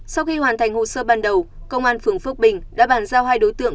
sau khi hoàn thành hồ sơ ban đầu công an phường phước bình đã bàn giao hai đối tượng